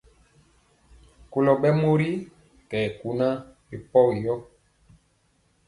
Kolɔ ɓɛɛ mori kɛ kunaa ri pɔgi yoo.